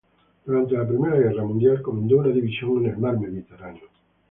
Durante la primera guerra mundial comandó una división en el mar Mediterráneo.